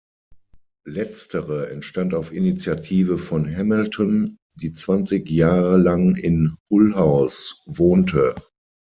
Letztere entstand auf Initiative von Hamilton, die zwanzig Jahre lang in Hull House wohnte.